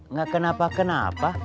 nggak kenapa kenapa